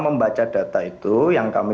membaca data itu yang kami